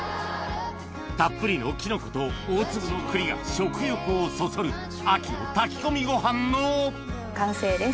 たっぷりのキノコと大粒の栗が食欲をそそる秋の炊き込みご飯の完成です。